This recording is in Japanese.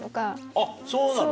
あっそうなの？